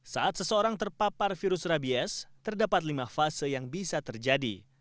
saat seseorang terpapar virus rabies terdapat lima fase yang bisa terjadi